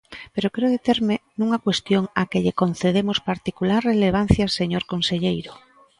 Pero quero determe nunha cuestión á que lle concedemos particular relevancia, señor conselleiro.